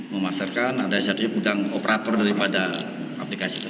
memasarkan ada jadi gudang operator daripada aplikasi tersebut